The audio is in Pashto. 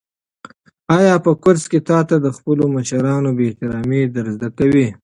آیا په کورس کې تاته د خپلو مشرانو بې احترامي در زده کوي؟